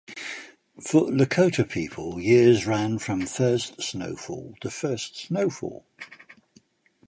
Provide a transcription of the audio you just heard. For Lakota people, years ran from first snow fall to first snowfall.